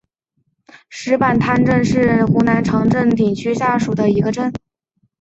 石板滩镇是湖南常德市鼎城区下属的一个镇。